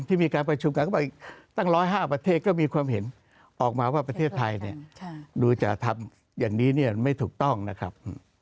ที่มีการประชุมกันก็บอกอีกตั้ง๑๐๕ประเทศก็มีความเห็นออกมาว่าประเทศไทยดูจะทำอย่างนี้ไม่ถูกต้องนะครับ